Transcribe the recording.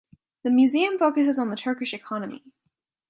The museum focuses on the Turkish economy.